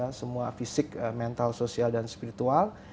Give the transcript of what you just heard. ya balance semua fisik mental sosial dan spiritual